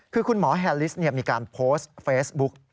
คือคุณหมอแฮลิสมีการโพสต์เฟซบุ๊ก